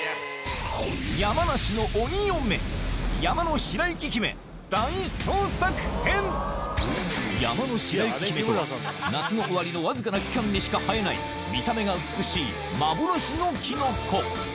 山の白雪姫とは夏の終わりのわずかな期間にしか生えない見た目が美しい幻のキノコ